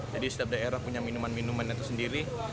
jadi setiap daerah punya minuman minuman itu sendiri